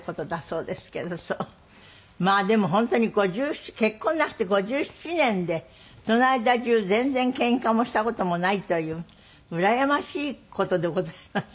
まあでも本当に５７結婚なすって５７年でその間中全然けんかもした事もないといううらやましい事でございますよね。